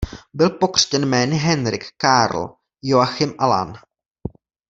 Byl pokřtěn jmény Henrik Carl Joachim Alain.